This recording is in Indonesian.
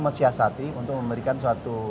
mesiasati untuk memberikan suatu